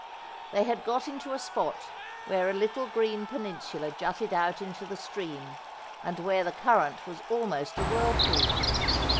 They had got into a spot where a little green peninsula jutted out into the stream, and where the current was almost a whirl pool.